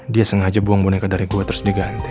dia sengaja buang boneka dari gua terus diganti